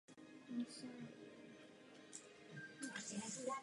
Severní ostrov je taktéž obydlený.